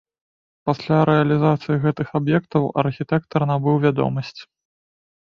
Пасля рэалізацыі гэтых аб'ектаў архітэктар набыў вядомасць.